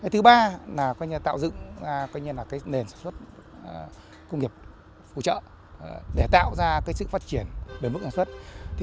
thứ ba là tạo dựng nền sản xuất công nghiệp hỗ trợ để tạo ra sự phát triển bởi mức sản xuất